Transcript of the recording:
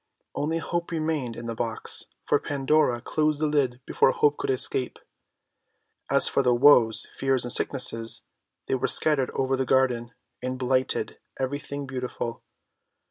Only Hope remained in the box, for Pandora closed the lid before Hope could escape. As for the Woes, Fears, and Sicknesses, they were scattered over the garden, and blighted every thing beautiful.